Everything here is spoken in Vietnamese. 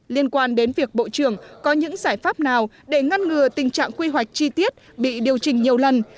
liên quan đến việc bộ trưởng có những giải pháp nào để ngăn ngừa tình trạng quy hoạch chi tiết bị điều chỉnh nhiều lần